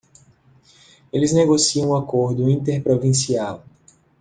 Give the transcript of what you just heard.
Eles negociam o Acordo Interprovincial.